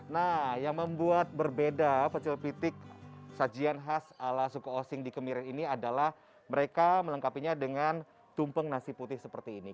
nah yang membuat berbeda pecel pitik sajian khas ala suku osing di kemiren ini adalah mereka melengkapinya dengan tumpeng nasi putih seperti ini